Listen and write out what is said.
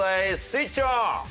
スイッチオン！